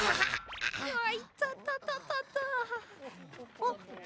あっ。